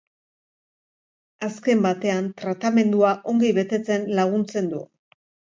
Azken batean, tratamendua ongi betetzen laguntzen du.